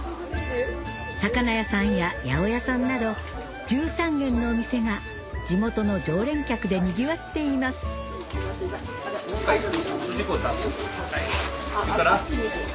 魚屋さんや八百屋さんなど１３軒のお店が地元の常連客でにぎわっていますすじこそれから。